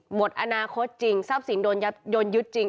หมดอนาคตจริงทรัพย์สินโดนยึดจริง